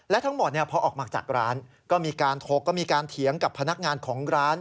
และทั้งหมดพอออกมาจากร้านก็มีการโทรก็มีการเถียงกับพนักงานของร้าน